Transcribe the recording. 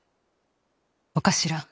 お頭